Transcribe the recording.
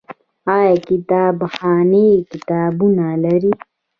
آیا کتابخانې کتابونه لري؟